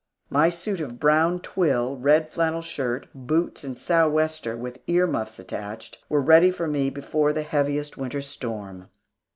My suit of brown twill, red flannel shirt, boots, and sou'wester, with ear muffs attached, were ready for me before the heaviest winter storm.